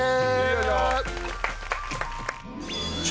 よいしょ！